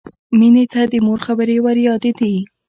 مینې ته د مور خبرې وریادېدې